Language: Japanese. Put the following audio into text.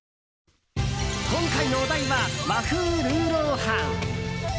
今回のお題は和風ルーロー飯。